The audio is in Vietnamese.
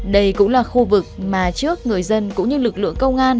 đây cũng là khu vực mà trước người dân cũng như lực lượng công an